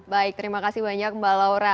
baik terima kasih banyak mbak laura